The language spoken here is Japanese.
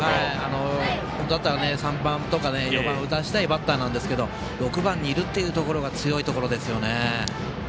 本当だったら３番とか４番打たせたいバッターなんですけど６番にいるっていうところが強いところですよね。